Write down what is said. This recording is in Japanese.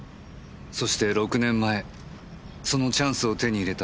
そして６年前そのチャンスを手に入れた。